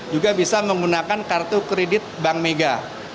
juga bisa menggunakan kartu kredit bank mega